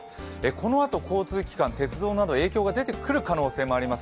このあと交通機関、鉄道など影響が出てくる可能性があります。